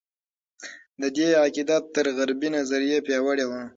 د دې عقیده تر غربي نظریې پیاوړې وه.